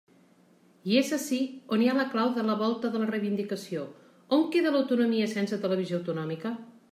I és ací on hi ha la clau de volta de la reivindicació: ¿on queda l'autonomia sense televisió autonòmica?